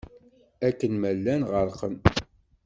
Akken ma llan ɣerqen.